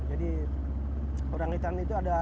jadi orang hutan ini berapa